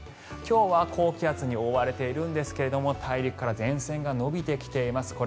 今日は高気圧に覆われているんですが大陸から前線が延びてきています。